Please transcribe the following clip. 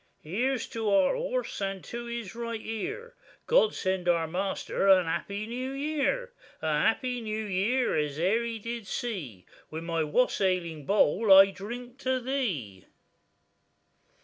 Here's to our horse, and to his right ear, God send our measter a happy new year: A happy new year as e'er he did see,— With my wassailing bowl I drink to thee.